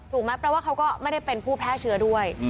ถูกไหมเพราะว่าเขาก็ไม่ได้เป็นผู้แพร่เชื้อด้วย